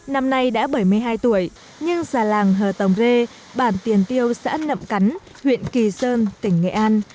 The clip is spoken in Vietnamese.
năm nay đã bảy mươi hai tuổi nhưng già làng hờ tổng rê bản tiền tiêu xã nậm cắn huyện kỳ sơn tỉnh nghệ an